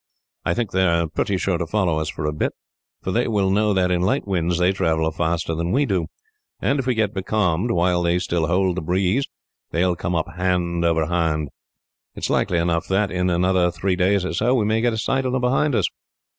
I think they are pretty sure to follow us for a bit, for they will know that, in light winds, they travel faster than we do; and if we get becalmed, while they still hold the breeze, they will come up hand over hand. It is likely enough that, in another three days or so, we may get a sight of them behind us."